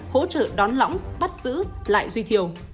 hỗ trợ đón lõng bắt xử lại duy thiêu